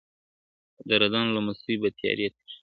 د رندانو له مستۍ به تیارې تښتي `